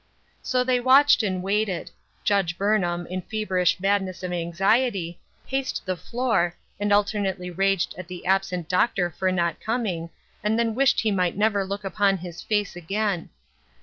So they watched and waited. Judge Burn ham, in feverish madness of anxiety, paced the floor, and alternately raged at the absent Doctor for not coming, and then wished he might never look upon his face again.